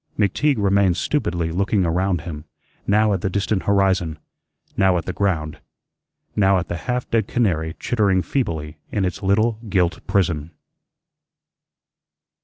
McTeague remained stupidly looking around him, now at the distant horizon, now at the ground, now at the half dead canary chittering feebly in its little gilt prison.